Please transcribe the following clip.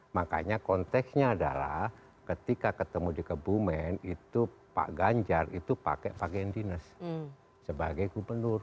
makanya konteksnya adalah ketika ketemu di kebumen itu pak ganjar itu pakai pak gendines sebagai gubernur